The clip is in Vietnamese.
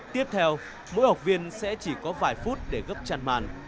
tiếp theo mỗi học viên sẽ chỉ có vài phút để gấp chăn màn